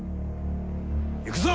行くぞ！